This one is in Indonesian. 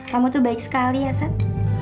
kamu tuh baik sekali ya sat